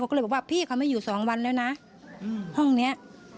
ก็เลยบอกว่าพี่เขาไม่อยู่สองวันแล้วนะห้องเนี้ย